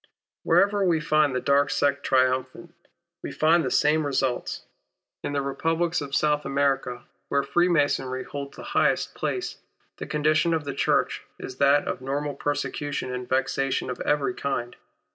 Wherever we find the dark sect triumphant we find tlie same results. In the Republics of South America, where Freemasonry holds the highest places, the condition of the Church is that of normal persecution and vexation of every kind.